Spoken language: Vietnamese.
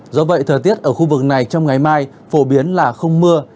do vậy thời tiết ở khu vực này trong ngày mai phổ biến là không mưa